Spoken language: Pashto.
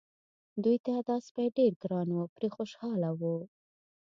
دوی ته دا سپی ډېر ګران و پرې خوشاله وو.